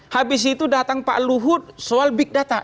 habis itu datang pak luhut soal big data